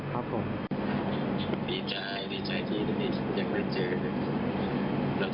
แต่เราเจอคนดีเยอะแยะเลย